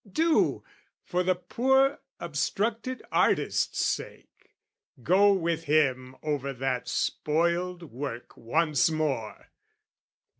Do, for the poor obstructed artist's sake, Go with him over that spoiled work once more!